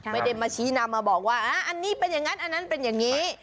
ไม่ได้มาชี้นำมาบอกว่าอันนี้เป็นอย่างนั้นอันนั้นเป็นอย่างนี้